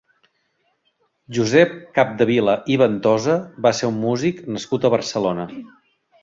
Josep Capdevila i Ventosa va ser un músic nascut a Barcelona.